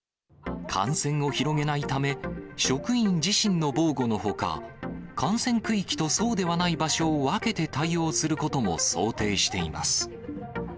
感染を広げないため、職員自身の防護のほか、感染区域とそうではない場所を分けて対応することも想定しています。